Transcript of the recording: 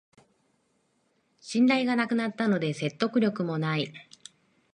信頼がなくなったので説得力もない